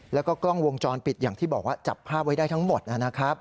แล้วก็กล้องวงจรปิดอย่างที่บอกว่าจับภาพไว้ได้ทั้งหมดนะครับ